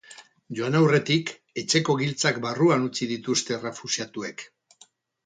Joan aurretik, etxeko giltzak barruan utzi dituzte errefuxiatuek.